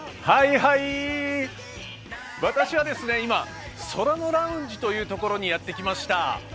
はいはいー、私は今、ソラノラウンジというところにやってきました。